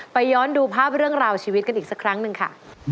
ย้อนดูภาพเรื่องราวชีวิตกันอีกสักครั้งหนึ่งค่ะ